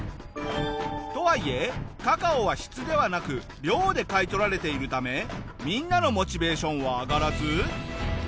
とはいえカカオは質ではなく量で買い取られているためみんなのモチベーションは上がらず。